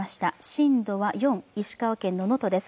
震度は４、石川県の能登です。